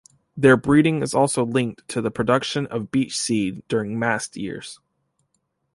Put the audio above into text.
Their breeding is also linked to the production of beech seed during mast years.